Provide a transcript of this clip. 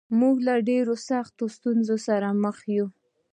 موږ له ډېرو سختو ستونزو سره مخامخ یو